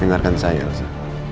dengarkan saya elsa